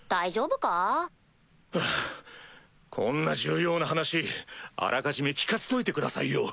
こんな重要な話あらかじめ聞かせといてくださいよ。